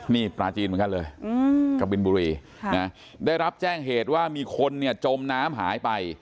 นี่ปลาจีนเหมือนกันเลยกะบินบุรีได้รับแจ้งเหตุว่ามีคนเนี่ยจมน้ำหายไป